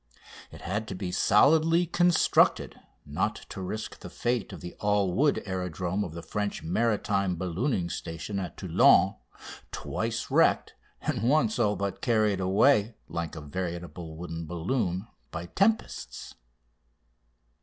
It had to be solidly constructed, not to risk the fate of the all wood aerodrome of the French Maritime Ballooning Station at Toulon, twice wrecked, and once all but carried away, like a veritable wooden balloon, by tempests.